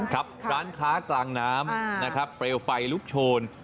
ครับร้านค้ากลางน้ำนะครับเปลวไฟลุกโชน